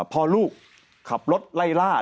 พอลูกขับรถไล่ล่า